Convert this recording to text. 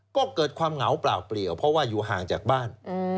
ก็เกิดความเหงาเปล่าเปลี่ยวเพราะว่าอยู่ห่างจากบ้าน